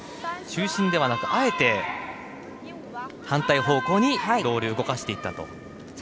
中心ではなくあえて反対方向にロール、動かしていったと。